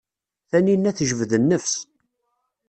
Taninna tejbed nnefs.